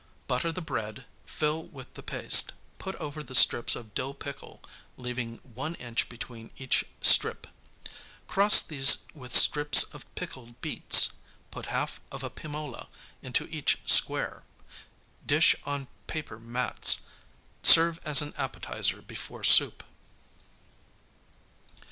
Butter the bread, fill with the paste, put over the strips of dill pickle, leaving one inch between each strip. Cross these with strips of pickled beets, put half of a pimola into each square. Dish on paper mats. Serve as an appetizer before soup.